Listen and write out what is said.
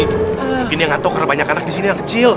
mungkin yang ngatur karena banyak anak di sini anak kecil